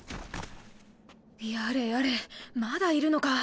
やれやれまだいるのか。